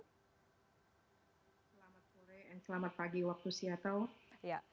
selamat sore dan selamat pagi waktu seatthao